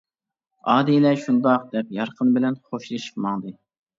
ئادىلە شۇنداق دەپ يارقىن بىلەن خوشلىشىپ ماڭدى.